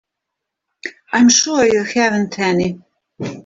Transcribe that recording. I'm sure you haven't any.